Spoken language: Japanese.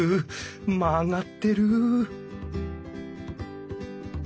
曲がってる！